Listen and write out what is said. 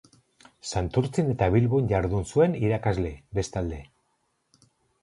Santurtzin eta Bilbon jardun zuen irakasle, bestalde.